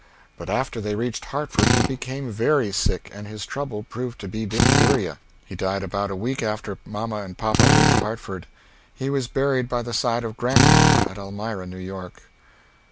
But after they reached Hartford he became very sick, and his trouble prooved to be diptheeria. He died about a week after mamma and papa reached Hartford. He was burried by the side of grandpa at Elmira, New York.